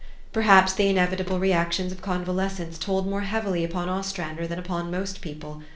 Perhaps the inevitable re actions of convalescence told more heavily upon Ostrander than upon most people.